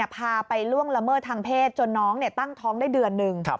พาไปล่วงละเมิดทางเพศจนน้องตั้งท้องได้เดือนหนึ่ง